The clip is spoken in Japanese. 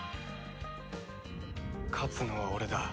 勝つのは俺だ。